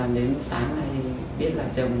đến sáng nay biết là chồng